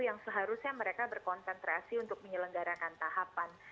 yang seharusnya mereka berkonsentrasi untuk menyelenggarakan tahapan